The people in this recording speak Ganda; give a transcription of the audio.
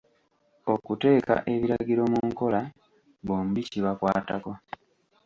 Okuteeka ebiragiro mu nkola bombi kibakwatako.